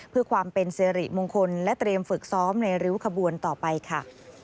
เพื่อความเป็นสิริมงคลและเตรียมฝึกซ้อมในริ้วขบวนต่อไปค่ะ